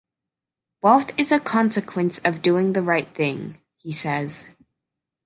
"Wealth is a consequence of doing the right thing," he says.